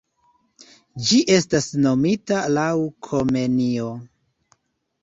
Ĝi estas nomita laŭ Komenio.